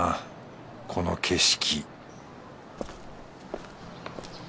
この景色